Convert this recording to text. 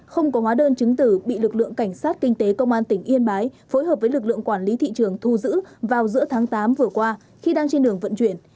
không có hóa đơn chứng tử bị lực lượng cảnh sát kinh tế công an tỉnh yên bái phối hợp với lực lượng quản lý thị trường thu giữ vào giữa tháng tám vừa qua khi đang trên đường vận chuyển